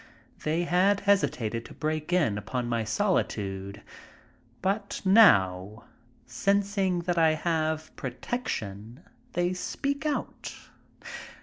They had hesitated to break in upon my solitude, but now, sensing that I have protection, they speak out.